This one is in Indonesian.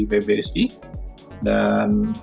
dan akhirnya yang kita lihat adalah